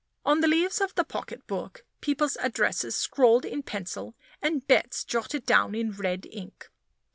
On the leaves of the pocketbook, people's addresses scrawled in pencil, and bets jotted down in red ink.